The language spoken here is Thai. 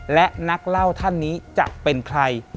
และนักเล่าท่านนี้จะเป็นใคร